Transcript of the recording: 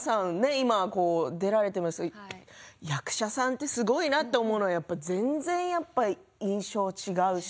今出られていまして役者さんってすごいなと思うのは全然印象は違うし。